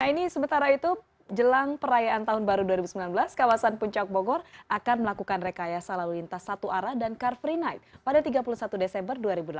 nah ini sementara itu jelang perayaan tahun baru dua ribu sembilan belas kawasan puncak bogor akan melakukan rekayasa lalu lintas satu arah dan car free night pada tiga puluh satu desember dua ribu delapan belas